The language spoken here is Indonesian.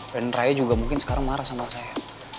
dan raya juga mungkin sekarang marah sama saya